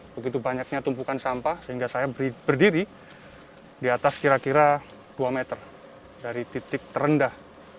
begitu banyaknya tumpukan sampah sehingga saya berdiri di atas kira kira dua meter dari titik terendah